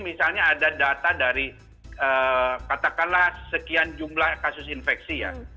misalnya ada data dari katakanlah sekian jumlah kasus infeksi ya